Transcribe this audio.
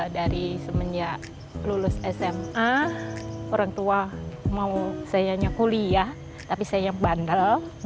dari semenjak lulus sma orang tua mau sayanya kuliah tapi saya bandel